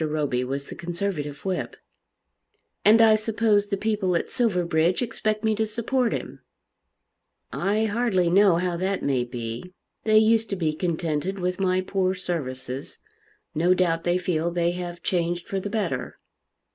Roby was the Conservative whip. "And I suppose the people at Silverbridge expect me to support him." "I hardly know how that may be. They used to be contented with my poor services. No doubt they feel they have changed for the better."